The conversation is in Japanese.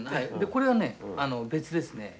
これはね別ですね。